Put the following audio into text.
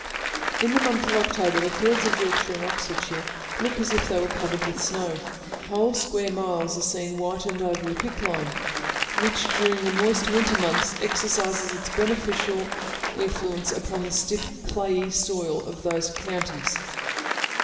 In the month of October the fields of Yorkshire and Oxfordshire look as it they were covered with snow. Whole square miles are seen whitened over with quicklime, which during the moist winter months, exercises its beneficial influence upon the stiff, clayey soil, of those counties.